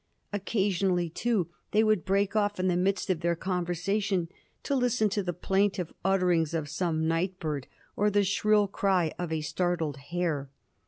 Occasionally, too, they would break off in the midst of their conversation to listen to the plaintive utterings of some night bird or the shrill cry of a startled hare.